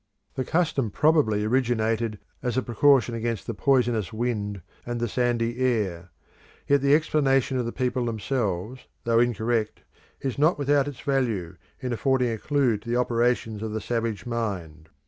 The custom probably originated as a precaution against the poisonous wind and the sandy air; yet the explanation of the people themselves, though incorrect, is not without its value in affording a clue to the operations of the savage mind.